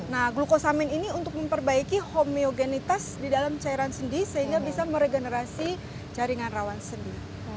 nah glukosamin ini untuk memperbaiki homeogenitas di dalam cairan sendi sehingga bisa meregenerasi jaringan rawan sendi